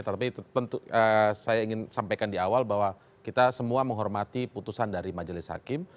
tapi saya ingin sampaikan di awal bahwa kita semua menghormati putusan dari majelis hakim